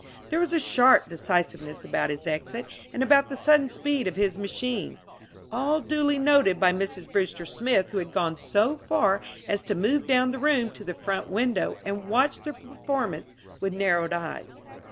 There was a sharp decisiveness about his exit, and about the sudden speed of his machine; all duly noted by Mrs. Brewster Smith, who had gone so far as to move down the room to the front window and watch the performance with narrowed eyes.